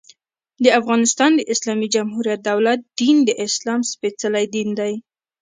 د افغانستان د اسلامي جمهوري دولت دين، د اسلام سپيڅلی دين دى.